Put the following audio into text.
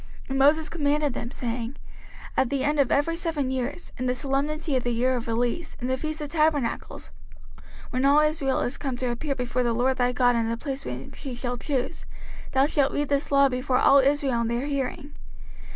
05:031:010 And Moses commanded them, saying, At the end of every seven years, in the solemnity of the year of release, in the feast of tabernacles, 05:031:011 When all Israel is come to appear before the LORD thy God in the place which he shall choose, thou shalt read this law before all Israel in their hearing.